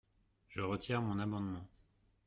Je retire mon amendement.